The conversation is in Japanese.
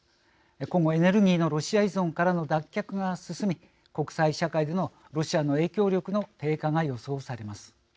今後、エネルギーのロシア依存からの脱却が進み国際社会でのロシアの影響力も低下が予想されます。